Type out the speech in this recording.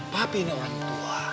papi ini orang tua